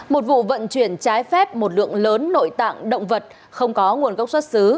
một vụ vận chuyển trái phép một lượng lớn nội tạng động vật không có nguồn gốc xuất xứ